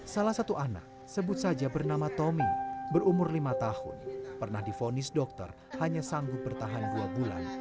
salah satu anak sebut saja bernama tommy berumur lima tahun pernah difonis dokter hanya sanggup bertahan dua bulan